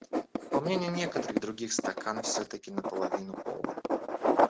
По мнению некоторых других, стакан все-таки на половину полон.